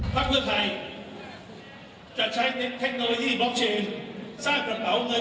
การเปลี่ยนดิจิทัลเข้าไปในกระเป๋าเงิน